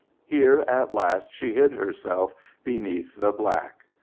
Here at last she hid herself beneath the black.